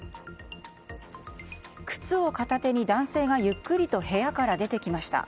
靴を片手に男性がゆっくりと部屋から出てきました。